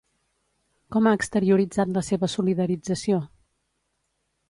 Com ha exterioritzat la seva solidarització?